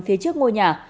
phía trước ngôi nhà